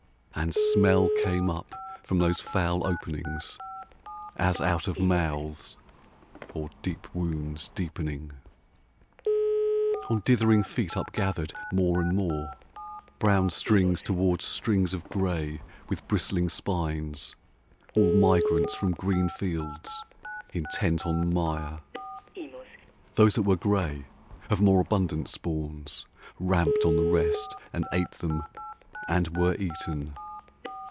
(And smell came up from those foul openings As out of mouths, or deep wounds deepening.) 52 The SJwu\ On dithering feet upgathered, more and more, Brown strings towards strings of gray, with bristling spines, All migrants from green fields, intent on mire. Those that were gray, of more abundant spawns, Ramped on the rest and ate them and were eaten.